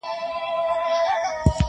بو ډا تللی دی پر لار د پخوانیو،